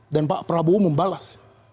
dan pak prabowo membalas